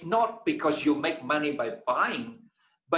ini bukan karena anda membuat uang dengan membeli